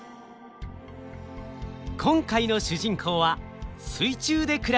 今回の主人公は水中で暮らす生き物魚。